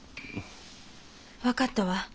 分かったわ。